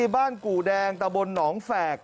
กู่แดงตะบนหนองแฝก